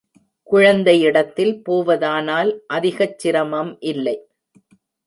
குழந்தையிடத்தில் போவதானால் அதிகச் சிரமம் இல்லை.